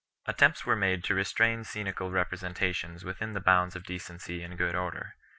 Attempts were made to restrain scenical representa tions within the bounds of decency and good order 4